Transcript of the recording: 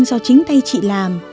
do chính thay chị làm